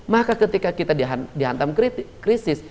maka ketika kita dihantam krisis